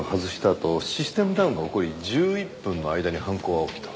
あとシステムダウンが起こり１１分の間に犯行は起きた。